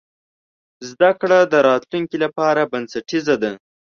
زده کړه د راتلونکي لپاره بنسټیزه ده.